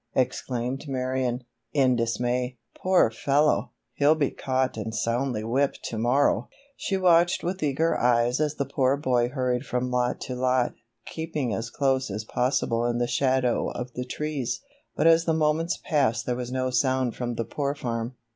exclaimed Marion, in dismay. "Poor fellow! He'll be caught and soundly whipped to morrow!" She watched with eager eyes as the poor boy hurried from lot to lot, keeping as close as possible in the shadow of the trees, but as the moments passed there was no sound from the Poor Farm.